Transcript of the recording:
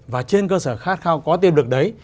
và trên cơ sở khát khao có tiềm lực đấy